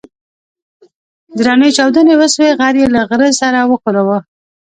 درنې چاودنې وسوې غر يې له غره سره وښوراوه.